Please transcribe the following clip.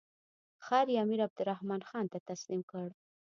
ښار یې امیر عبدالرحمن خان ته تسلیم کړ.